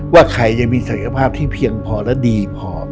ว่าใครยังมีศักยภาพที่เพียงพอและดีพอ